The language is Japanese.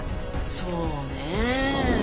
そうねえ。